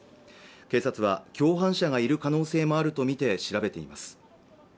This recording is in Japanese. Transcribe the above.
警察は共犯者がいる可能性もあるとみて調べています